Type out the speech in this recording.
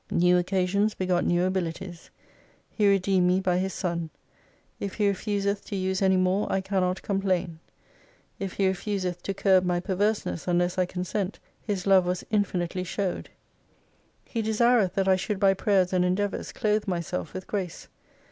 New occasions begot new abilities. He re deemed me by His Son. If He refuseth to use any more, I cannot complain. If He refuseth to curb my perverseness unless I consent. His love was infinitely showed. He desireth that I should by prayers and endeavours clothe myself with grace.